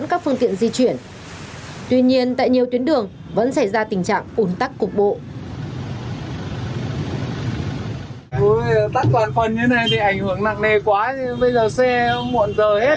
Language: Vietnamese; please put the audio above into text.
vì vậy nhiều người dân khi di chuyển lên lựa chọn những tuyến đường nào hù hộp tránh những hình ổn tắc để không mất thời gian